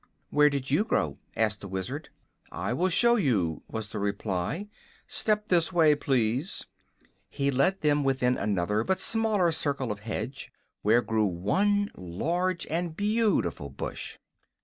"Where did you grow?" asked the Wizard. "I will show you," was the reply. "Step this way, please." He led them within another but smaller circle of hedge, where grew one large and beautiful bush.